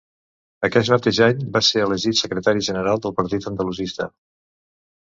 Aquest mateix any va ser elegit Secretari General del Partit Andalusista.